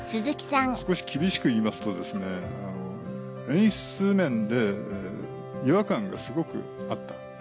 少し厳しく言いますと演出面で違和感がすごくあった。